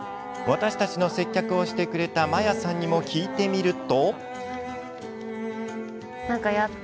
私たちの接客をしてくれたまやさんにも聞いてみると。